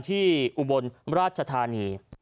อุบลราชธานี